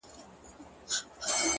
د گل خندا;